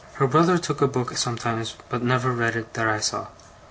Her brother took a book sometimes, but never read it that I saw.